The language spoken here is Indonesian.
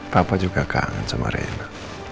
papa juga kangen sama reina